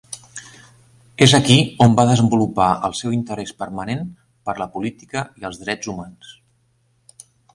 És aquí on va desenvolupar el seu interès permanent per la política i els drets humans.